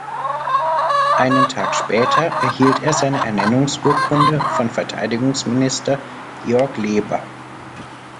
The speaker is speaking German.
Einen Tag später erhielt er seine Ernennungsurkunde von Verteidigungsminister Georg Leber.